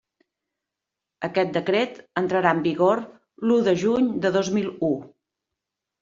Aquest decret entrarà en vigor l'u de juny de dos mil u.